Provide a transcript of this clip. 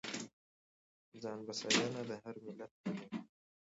ځانبسیاینه د هر ملت هیله وي.